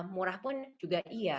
murah pun juga